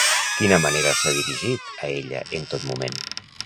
De quina manera s'ha dirigit a ella en tot moment?